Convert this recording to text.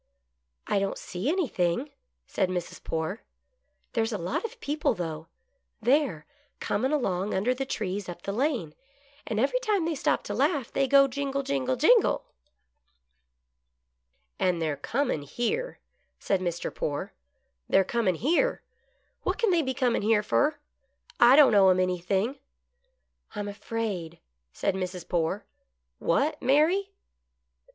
" I don't see anything," said Mrs. Poore. " There's a lot of people, though — there, coming along under the trees up the lane, and every time they stop to laugh, they go — jingle, jingle, jingle!^ 64 GOOD LUCK. " And they're cornin' here," said Mr. Poore, " they're cornin' here. What can they be cornin' here fer I don't owe 'em anything." " I'm afraid "— said Mrs. Poore. " What, Mary